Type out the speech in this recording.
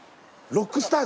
ロックスター。